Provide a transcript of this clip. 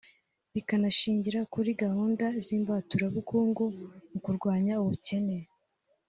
bikanashingira kuri gahunda z’imbaturabukungu mu kurwanya ubukene